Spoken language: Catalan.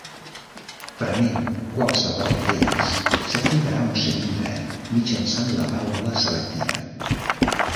Prement qualsevol d'ells s'activarà un cilindre mitjançant la vàlvula selectiva.